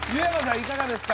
いかがですか？